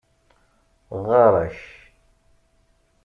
Ɣarak